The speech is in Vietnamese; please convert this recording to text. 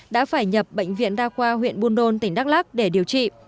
đã phải nhập bệnh viện đa khoa huyện buôn đôn tỉnh đắk lắc để điều trị